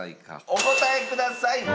お答えください！